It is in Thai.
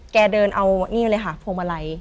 เดินเอานี่เลยค่ะพวงมาลัย